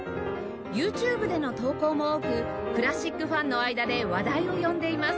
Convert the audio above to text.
ＹｏｕＴｕｂｅ での投稿も多くクラシックファンの間で話題を呼んでいます